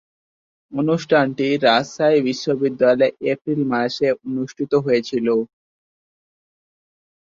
অনুষ্ঠানটি রাজশাহী বিশ্বনিদ্যালয়ে এপ্রিল মাসে অনুষ্ঠিত হয়েছিলো।